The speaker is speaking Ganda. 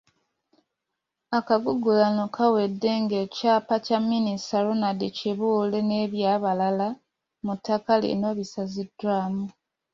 Akagugulano kaawedde ng’ekyapa kya Minisita Ronald Kibuule n’eby'abalala ku ttaka lino bisaziddwamu.